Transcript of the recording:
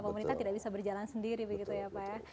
pemerintah tidak bisa berjalan sendiri begitu ya pak ya